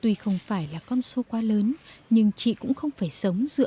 tuy không phải là con số quá lớn nhưng chị cũng không phải sống như vậy